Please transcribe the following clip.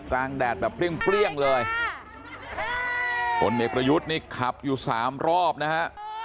กลางแดดแบบเปรี้ยงเลยคนเมฆประยุทธ์นี่ขับอยู่๓รอบนะฮะ